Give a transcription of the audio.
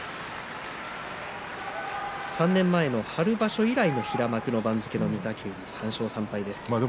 ３年前の春場所以来の平幕の番付の御嶽海３勝３敗です。